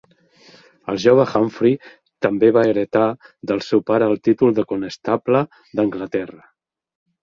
El jove Humphrey també va heretar del seu pare el títol de Conestable d'Anglaterra.